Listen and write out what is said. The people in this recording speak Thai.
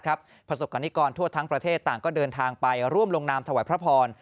ประสบกรณิกรทั่วทั้งประเทศต่างก็เดินทางไปร่วมลงนามถวายพระพร